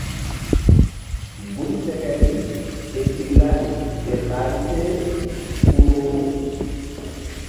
Gun sekeri ke tiklari ker ɓahri se ku ru̧ru̧.